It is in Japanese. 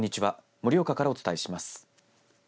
盛岡からお伝えします。